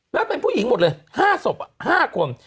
แล้วเป็นผู้หญิงหมดเลย๕ศพ๕คน